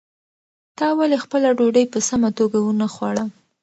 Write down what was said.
تا ولې خپله ډوډۍ په سمه توګه ونه خوړه؟